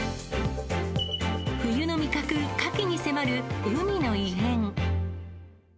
冬の味覚、カキに迫る海の異変。